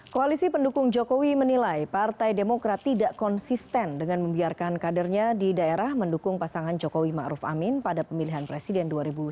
koalisi pendukung jokowi menilai partai demokrat tidak konsisten dengan membiarkan kadernya di daerah mendukung pasangan jokowi ⁇ maruf ⁇ amin pada pemilihan presiden dua ribu sembilan belas